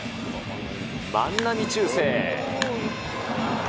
万波中正。